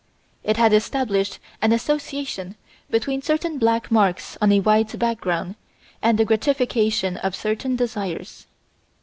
It had established an association between certain black marks on a white background and the gratification of certain desires.